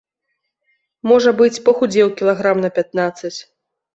Можа быць, пахудзеў кілаграм на пятнаццаць.